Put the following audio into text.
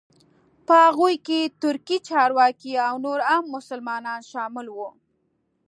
په هغوی کې ترکي چارواکي او نور عام مسلمانان شامل وو.